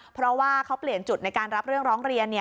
เพราะว่าเขาเปลี่ยนจุดในการรับเรื่องร้องเรียน